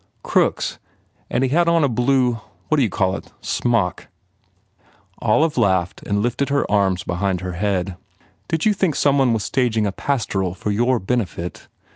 "Crooks. And he had on a blue what d you call It? smock ?" Olive laughed and lifted her arms behind her head. "Did you think some one was staging a pastoral for your benefit?